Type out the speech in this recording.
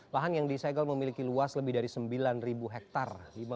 lahan yang disegel memiliki luas lebih dari sembilan hektare